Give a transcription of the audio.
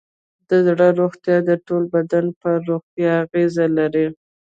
د زړه روغتیا د ټول بدن پر روغتیا اغېز لري.